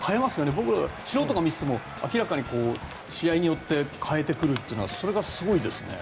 僕ら素人が見ていても明らかに試合によって変えてくるっていうのはそれがすごいですよね。